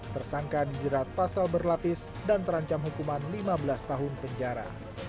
tersangka dijerat pasal berlapis dan terancam hukuman lima belas tahun penjara